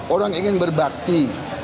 orang ingin berbakti